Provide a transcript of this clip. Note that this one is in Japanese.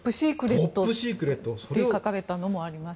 トップシークレットと書かれたものもあります。